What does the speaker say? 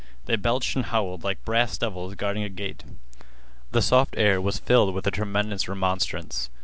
They belched and howled like brass devils guarding a gate. The soft air was filled with the tremendous remonstrance.